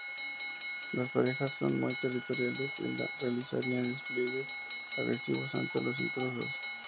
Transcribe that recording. Las parejas son muy territoriales y realizarán despliegues agresivos ante los intrusos.